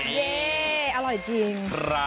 เย่อร่อยจริง